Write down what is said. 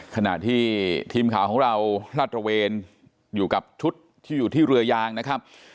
ขณะที่ทีมข่าวของเราลาดตระเวนอยู่กับชุดที่อยู่ที่เรือยางนะครับ